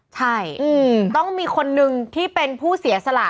ใช่ต้องมีคนนึงที่เป็นผู้เสียสละ